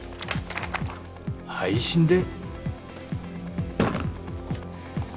配信で？